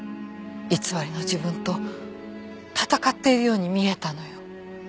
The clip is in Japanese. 偽りの自分と戦っているように見えたのよ。